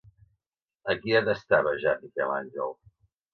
A qui detestava ja Miquel Àngel?